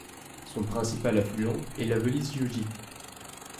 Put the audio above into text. Son principal affluent est la Velise Jõgi.